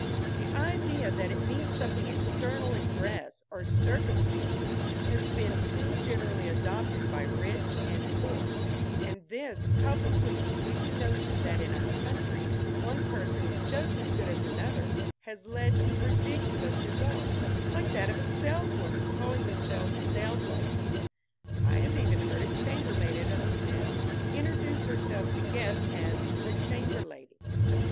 The idea that it means something external in dress or circumstances has been too generally adopted by rich and poor; and this, coupled with the sweeping notion that in our country one person is just as good as another, has led to ridiculous results, like that of saleswomen calling themselves "sales ladies." I have even heard a chambermaid at a hotel introduce herself to guests as "the chamber lady."